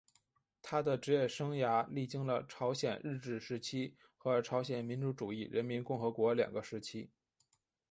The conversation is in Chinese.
他的职业生涯历经了朝鲜日治时期和朝鲜民主主义人民共和国两个时期。